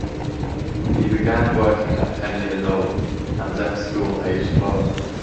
He began working at ten years old, and left school aged twelve.